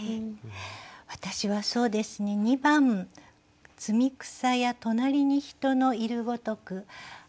はい私はそうですね２番「摘草や隣に人のゐるごとく」。